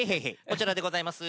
こちらでございます。